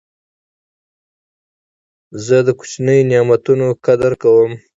زه د کوچنیو نعمتو قدر کوم.